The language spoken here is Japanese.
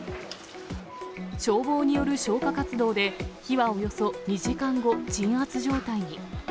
消防による消火活動で、火はおよそ２時間後、鎮圧状態に。